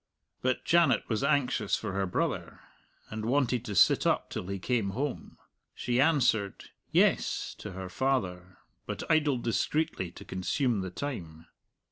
But Janet was anxious for her brother, and wanted to sit up till he came home. She answered, "Yes," to her father, but idled discreetly, to consume the time.